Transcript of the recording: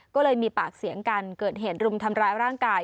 ก็เลยมีปากเสียงกันเกิดเหตุรุมทำร้ายร่างกาย